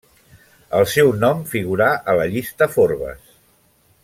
El seu nom figurà a la llista Forbes.